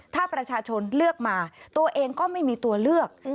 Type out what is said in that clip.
ถ้าประชาชนเลือกมาตัวเองก็ไม่มีตัวเลือก